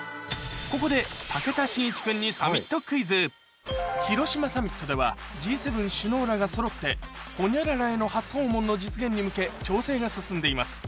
ここで武田真一君に広島サミットではＧ７首脳らがそろってホニャララへの初訪問の実現に向け調整が進んでいます